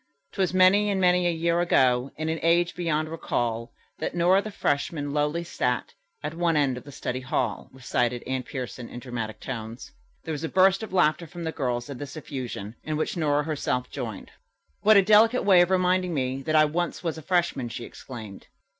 "'Twas many and many a year ago, In an age beyond recall, That Nora, the freshman, lowly sat At one end of the study hall." recited Anne Pierson in dramatic tones. There was a burst of laughter from the girls at this effusion, in which Nora herself joined. "What a delicate way of reminding me that I once was a freshman!" she exclaimed.